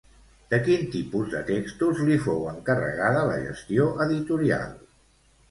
De quin tipus de textos li fou encarregada la gestió editorial?